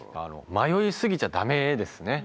迷い過ぎちゃダメですね。